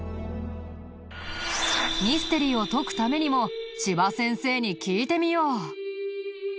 ミステリーを解くためにも千葉先生に聞いてみよう。